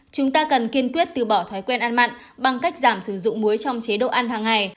chúng ta cần kiên quyết từ bỏ thói quen ăn mặn bằng cách giảm sử dụng muối trong chế độ ăn hàng ngày